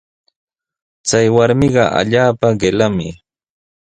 Chay warmiqa allaapa qillami.